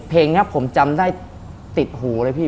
เพลงนี้ผมจำได้ติดหูเลยพี่